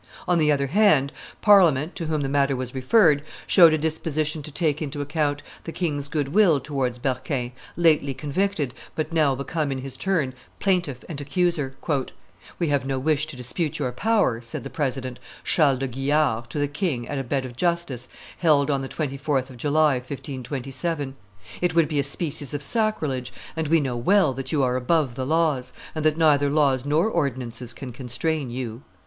On the other hand, Parliament, to whom the matter was referred, showed a disposition to take into account the king's good will towards Berquin, lately convicted, but now become in his turn plaintiff and accuser. "We have no wish to dispute your power," said the president, Charles de Guillard, to the king at a bed of justice held on the 24th of July, 1527: "it would be a species of sacrilege, and we know well that you are above the laws, and that neither laws nor ordinances can constrain you.